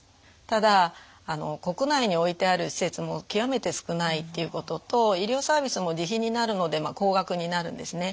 ただ国内に置いてある施設も極めて少ないっていうことと医療サービスも自費になるので高額になるんですね。